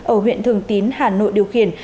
ở huyện thường tín hà nội điều khiển